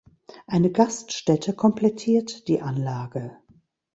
Eine Gaststätte komplettiert die Anlage.